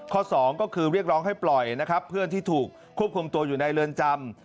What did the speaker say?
สองก็คือเรียกร้องให้ปล่อยนะครับเพื่อนที่ถูกควบคุมตัวอยู่ในเรือนจำ